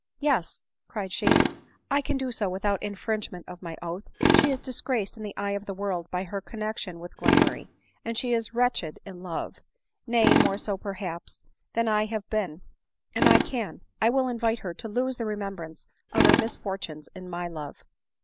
" Yes," cried she, " I can do so without infringement of my oath. She is disgraced in the eye of the world by her connexion with Glenmurray, and she is wretched in love ; nay, more so, perhaps, than I have been ; and I can, I will invite her to lose the remembrance of her misfor tunes in my love